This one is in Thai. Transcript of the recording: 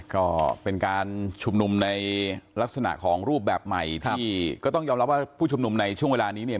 ก็เป็นการชุมนุมในลักษณะของรูปแบบใหม่ที่ก็ต้องยอมรับว่าผู้ชุมนุมในช่วงเวลานี้เนี่ย